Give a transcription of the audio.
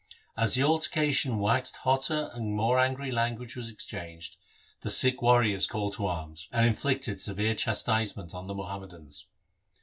As the altercation waxed hotter and more angry language was exchanged, the Sikh warriors called to arms, and inflicted severe chastisement on the Muhammadans.